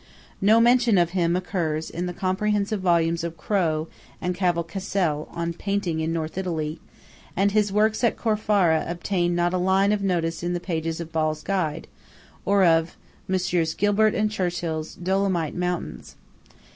No mention of him occurs in the comprehensive volumes of Crowe and Cavalcaselle on "Painting in North Italy;" and his works at Corfara obtain not a line of notice in the pages of Ball's Guide, or of Messrs. Gilbert and Churchill's "Dolomite Mountains."